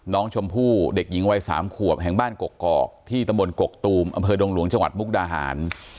น้องชมพู่เด็กหญิงวัย๓ขวบแห่งบ้านกกอกที่ตำบลกกตูมอำเภอดงหลวงจังหวัดมุกดาหาร